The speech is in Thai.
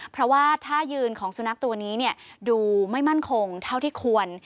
เพราะว่าท่ายืนของสุนัขตัวนี้ดูไม่มั่นคงเท่าที่ควร